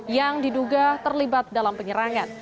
yang diduga terlibat dalam penyerangan